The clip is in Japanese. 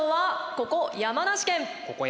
ここ山梨県。